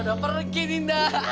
udah pergi dinda